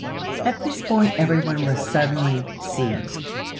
At this point everyone was suddenly "seized."